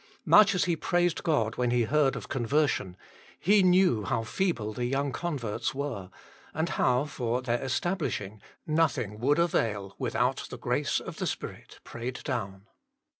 Much as he praised God when he heard of con version, he knew how feeble the young converts were, and how for their establishing nothing would avail without the grace of the Spirit prayed down.